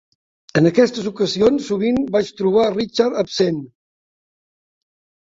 En aquestes ocasions sovint vaig trobar Richard absent.